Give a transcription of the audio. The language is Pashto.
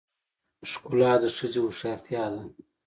ښکلا د ښځې هوښیارتیا ده .